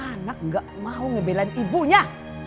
anak gak mau ngebelain ibunya